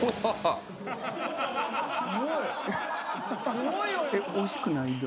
すごいよ！